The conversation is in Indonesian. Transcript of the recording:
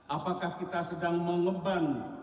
apakah kita sedang mengembang